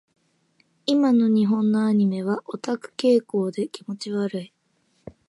今の日本のアニメはオタク傾向で気持ち悪い。